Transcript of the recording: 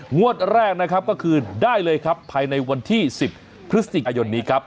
งวดแรกนะครับก็คือได้เลยครับภายในวันที่๑๐พฤศจิกายนนี้ครับ